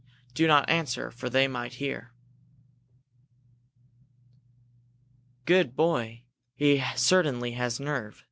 Do not answer, for they might hear." "Good boy! He certainly has nerve!"